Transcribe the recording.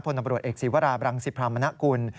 ตำรวจเอกศีวราบรังสิพรามณกุล